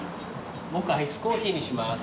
僕アイスコーヒーにします。